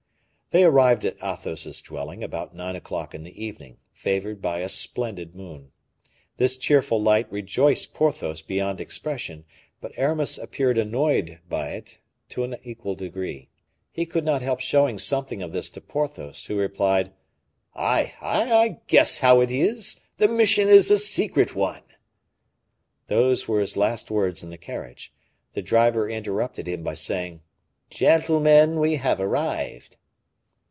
They arrived at Athos's dwelling about nine o'clock in the evening, favored by a splendid moon. This cheerful light rejoiced Porthos beyond expression; but Aramis appeared annoyed by it in an equal degree. He could not help showing something of this to Porthos, who replied "Ay! ay! I guess how it is! the mission is a secret one." These were his last words in the carriage. The driver interrupted him by saying, "Gentlemen, we have arrived."